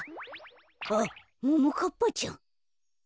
あっももかっぱちゃん。